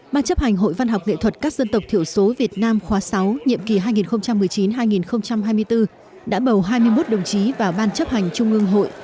ban chấp hành hội văn học nghệ thuật các dân tộc thiểu số việt nam khóa sáu nhiệm kỳ hai nghìn một mươi chín hai nghìn hai mươi bốn đã bầu hai mươi một đồng chí vào ban chấp hành trung ương hội